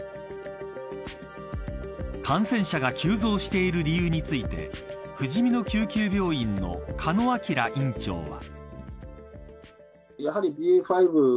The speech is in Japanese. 感染者が急増している理由についてふじみの救急病院の鹿野晃院長は。